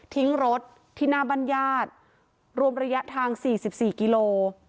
ทิ้งรถที่หน้าบ้านญาติรวมระยะทาง๔๔กิโล